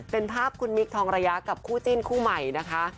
เป็นภาพคุณมิคทองระยะกับคู่จิ้นคู่ใหม่นะคะ